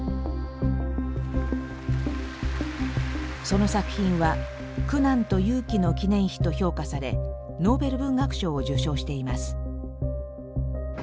その作品は「苦難と勇気の記念碑」と評価されノーベル文学賞を受賞しています。